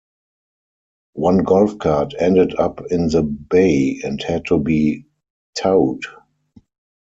One golf cart ended up in the bay and had to be towed.